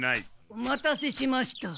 お待たせしました。